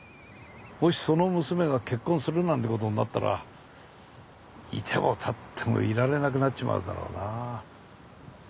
もしその娘が結婚するなんてことになったらいてもたってもいられなくなっちまうだろうな。